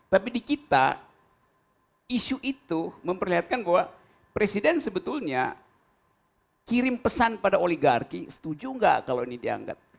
tapi di kita isu itu memperlihatkan bahwa presiden sebetulnya kirim pesan pada oligarki setuju nggak kalau ini dianggap